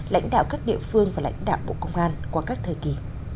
lãnh đạo các địa phương và lãnh đạo bộ công an qua các thời kỳ